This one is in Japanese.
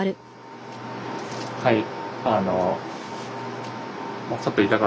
はい。